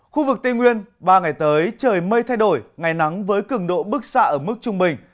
khu vực tây nguyên ba ngày tới trời mây thay đổi ngày nắng với cường độ bức xạ ở mức trung bình